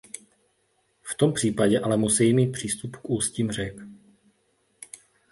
V tom případě ale musejí mít přístup k ústím řek.